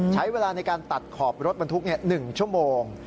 ใช้เวลาในการตัดขอบรถบรรทุก๑ชั่วโมง